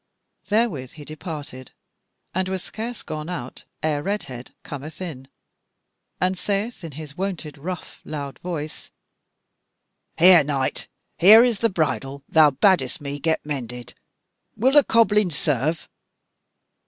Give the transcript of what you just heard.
Therewith he departed, and was scarce gone out ere Redhead cometh in, and saith in his wonted rough loud voice: "Here, knight, here is the bridle thou badest me get mended; will the cobbling serve?"